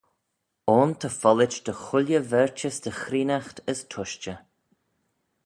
Ayn ta follit dy chooilley verchys dy chreenaght as tushtey.